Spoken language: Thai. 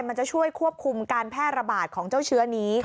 มันจะช่วยควบคุมการแพร่ระบาดของเจ้าเชื้อนี้